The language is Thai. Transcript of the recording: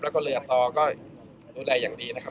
แล้วเรืออัตรแล้วเลยละก็ดูได้อย่างดีนะครับ